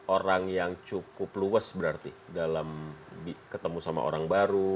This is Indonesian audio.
orang yang cukup luas berarti dalam ketemu sama orang baru